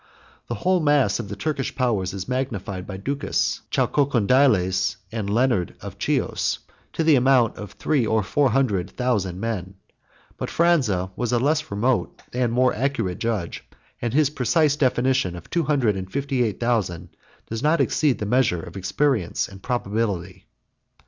The whole mass of the Turkish powers is magnified by Ducas, Chalcondyles, and Leonard of Chios, to the amount of three or four hundred thousand men; but Phranza was a less remote and more accurate judge; and his precise definition of two hundred and fifty eight thousand does not exceed the measure of experience and probability.